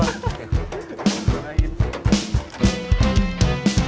atur dulu ya